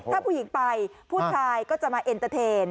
ถ้าผู้หญิงไปผู้ชายก็จะมาเที่ยว